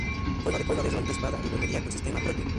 Juego de rol de espada y brujería con sistema propio.